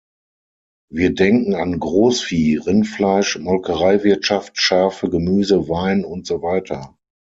Wir denken an Großvieh, Rindfleisch, Molkereiwirtschaft, Schafe, Gemüse, Wein und so weiter.